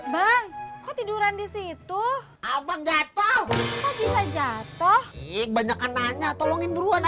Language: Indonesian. bang kok tiduran disitu abang jatuh jatuh banyak nanya tolongin buruan